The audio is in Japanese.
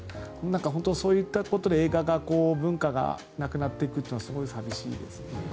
本当そういったことで映画の文化がなくなっていくというのはすごい寂しいですね。